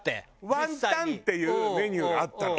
ワンタンっていうメニューがあったの。